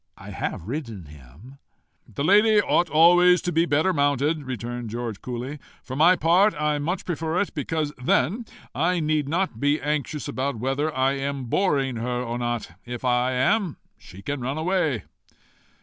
I have ridden him." "The lady ought always to be the better mounted," returned George coolly. "For my part, I much prefer it, because then I need not be anxious about whether I am boring her or not: if I am, she can run away."